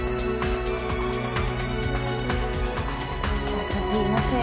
ちょっとすみません。